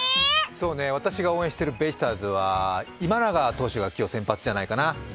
そうね、私が応援しているベイスターズは今永が今日、先発じゃないかな。